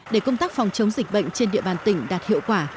để công tác phòng chống dịch bệnh trên địa bàn tỉnh đạt hiệu quả